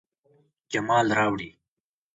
جمال راوړي